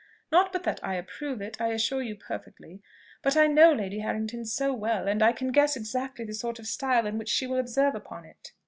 Not but that I approve it, I assure you perfectly; but I know Lady Harrington so well! and I can guess so exactly the sort of style in which she will observe upon it!"